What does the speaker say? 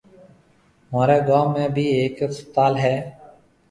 مهوريَ گوم ۾ ڀِي هيَڪ هسپتال هيَ۔